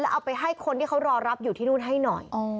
เอาไปให้คนที่เขารอรับอยู่ที่นู่นให้หน่อย